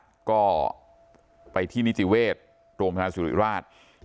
รัฐยาษน์ไปที่นิจเวศโรงพยาบาลสุริราช